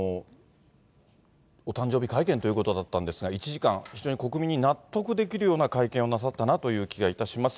お誕生日会見ということだったんですが、１時間、非常に国民に納得できるような会見をなさったなという気がいたします。